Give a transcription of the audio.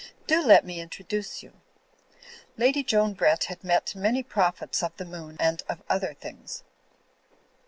Do let me introduce you." Lady Joan Brett had met many prophets of the a8 THE FLYING INN , moon and of other things.